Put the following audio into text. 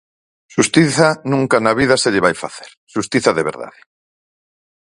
Xustiza nunca na vida se lle vai facer, xustiza de verdade.